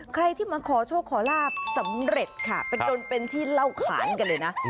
ใครที่มาขอโชคขอลาบสำเร็จค่ะจนเป็นที่เล่าขานกันเลยนะ